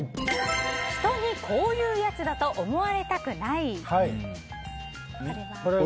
人にこういうヤツだと思われたくない。